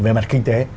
về mặt kinh tế